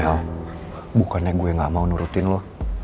mel bukannya gue gak mau nurutin lo